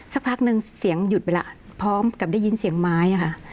สักพักนึงเสียงหยุดไปแล้วพร้อมกับได้ยินเสียงไม้ค่ะ